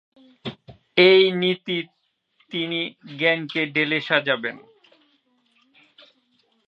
এই নীতিতে তিনি তার জ্ঞানকে ঢেলে সাজালেন।